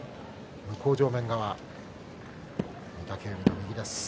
向正面側、御嶽海の右です。